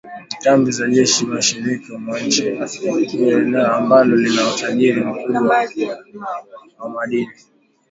kambi za jeshi mashariki mwa nchi hiyo eneo ambalo lina utajiri mkubwa wa madini